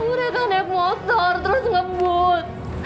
mereka naik motor terus ngebut